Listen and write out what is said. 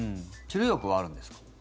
治療薬はあるんですか？